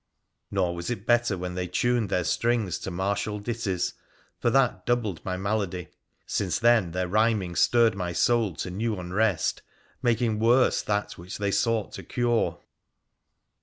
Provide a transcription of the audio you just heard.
Nor was it better when they tuned their strings to martial ditties, for that doubled my malady, since then their rhyming stirred my soul to new unrest, making worse that which they sought to cure.